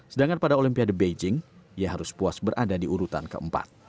sedangkan pada olimpiade beijing ia harus puas berada di urutan keempat